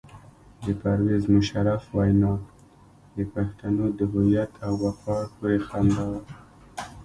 د پرویز مشرف وینا د پښتنو د هویت او وقار پورې خندا وه.